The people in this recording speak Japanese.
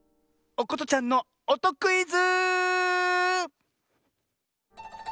おことちゃんのおとクイズ！